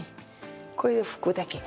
これで拭くだけで。